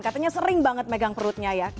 katanya sering banget megang perutnya ya